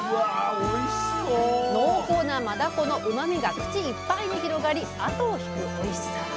濃厚なマダコのうまみが口いっぱいに広がり後を引くおいしさ！